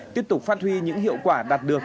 tiếp tục phát huy những hiệu quả đạt được